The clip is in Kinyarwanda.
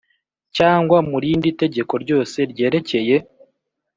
Cyangwa mu rindi tegeko ryose ryerekeye